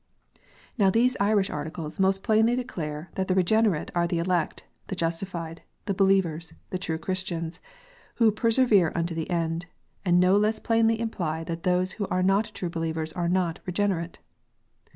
Now these Irish Articles most plainly declare that the " regenerate " are the elect, the justified, the believers, the true Christians, who persevere unto the end ; and no less plainly imply that those who are not true believers are not "regenerate!"